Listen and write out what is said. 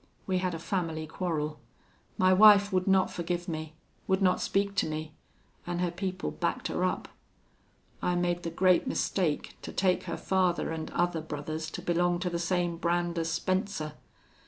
We had a family quarrel. My wife would not forgive me would not speak to me, an' her people backed her up. I made the great mistake to take her father an' other brothers to belong to the same brand as Spencer.